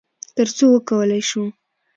تر څو وکولی شو،